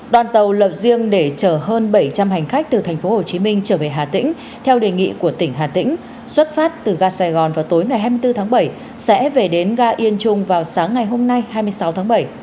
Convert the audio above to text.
đoàn tàu lập riêng để chở hơn bảy trăm linh hành khách từ tp hcm trở về hà tĩnh theo đề nghị của tỉnh hà tĩnh xuất phát từ ga sài gòn vào tối ngày hai mươi bốn tháng bảy sẽ về đến ga yên trung vào sáng ngày hôm nay hai mươi sáu tháng bảy